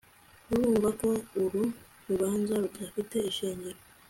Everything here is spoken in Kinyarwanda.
Urumva ko uru rubanza rudafite ishingiro